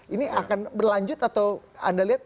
ini akan berlanjut atau anda lihat